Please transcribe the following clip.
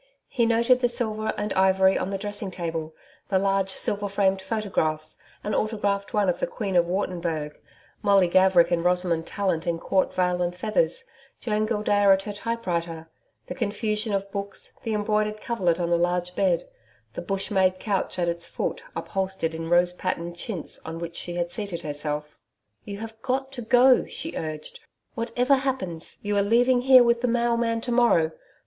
He noticed the silver and ivory on the dressing table; the large silver framed photographs an autographed one of the Queen of Wartenburg Molly Gaverick and Rosamond Tallant in Court veil and feathers, Joan Gildea at her type writer the confusion of books, the embroidered coverlet on the large bed, the bush made couch at its foot upholstered in rose patterned chintz on which she had seated herself. 'You have GOT to go,' she urged. 'WHATEVER happens, you are leaving here with the mailman to morrow....